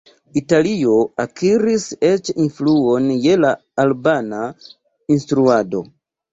Italio akiris eĉ influon je la albana instruado.